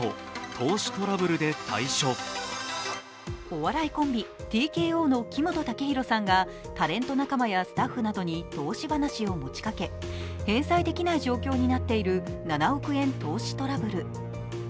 お笑いコンビ・ＴＫＯの木本武宏さんがタレント仲間やスタッフなどに投資話を持ちかけ返済できない状況になっている７億円投資トラブル。